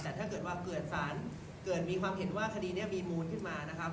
แต่ถ้าเกิดว่าเกิดสารเกิดมีความเห็นว่าคดีนี้มีมูลขึ้นมานะครับ